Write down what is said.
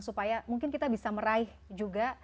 supaya mungkin kita bisa meraih juga